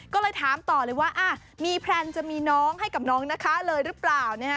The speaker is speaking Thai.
ก็เลยถามต่อเลยว่ามีแพลนจะมีน้องให้กับน้องนะคะเลยหรือเปล่า